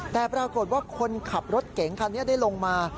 แต่ปรากฏว่าคนขับรถเก๋งคันนี้ได้ลงมา